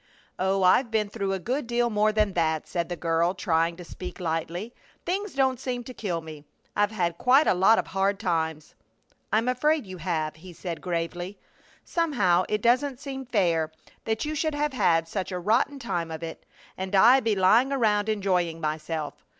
"Oh, I've been through a good deal more than that," said the girl, trying to speak lightly. "Things don't seem to kill me. I've had quite a lot of hard times." "I'm afraid you have," he said, gravely. "Somehow it doesn't seem fair that you should have had such a rotten time of it, and I be lying around enjoying myself.